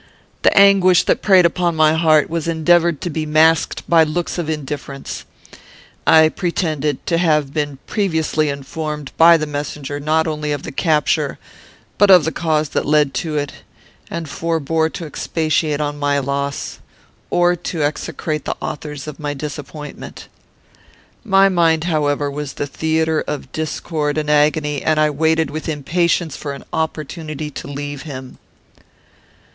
The anguish that preyed upon my heart was endeavoured to be masked by looks of indifference. I pretended to have been previously informed by the messenger not only of the capture, but of the cause that led to it, and forbore to expatiate upon my loss, or to execrate the authors of my disappointment. My mind, however, was the theatre of discord and agony, and I waited with impatience for an opportunity to leave him.